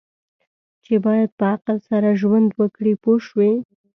چې باید په عقل سره ژوند وکړي پوه شوې!.